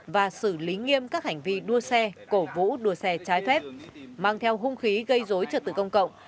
và xử lý nghiêm các hành vi đua xe cổ vũ đua xe trái phép mang theo hung khí gây dối trật tự công cộng